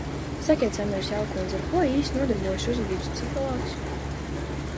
Sakiet, Samneres jaunkundze, ar ko īsti nodarbojas uzvedības psihologs?